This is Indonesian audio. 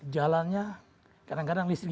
jalannya kadang kadang listrik